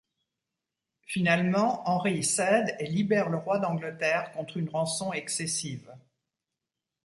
Finalement, Henri cède et libère le roi d'Angleterre contre une rançon excessive.